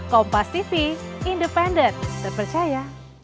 kompas tv independen terpercaya